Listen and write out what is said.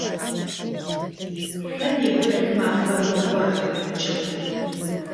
Шъо непэ шъуимафэ мыгъо, тхьамыкӏэ куп!